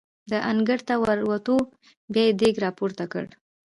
د انګړ ته ور ووتو، بیا یې دېګ را پورته کړ.